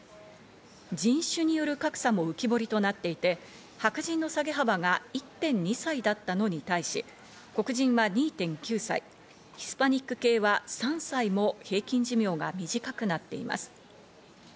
人種による格差も浮き彫りとなっていて、白人の下げ幅が１．２歳だったのに対し、黒人は２．９歳、ヒスパニック系は３歳も平均寿命が短くなっています。